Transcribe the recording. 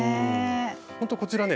ほんとこちらね